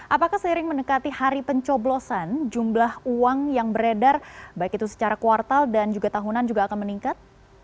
apakah seiring mendekati hari pencoblosan jumlah uang yang beredar baik itu secara kuartal dan juga tahunan juga akan meningkat